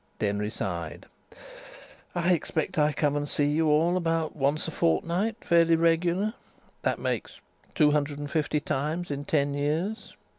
Denry sighed: "I expect I come and see you all about once a fortnight fairly regular. That makes two hundred and fifty times in ten years.